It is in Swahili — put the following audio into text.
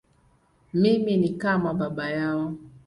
Mimi ni kama baba yao.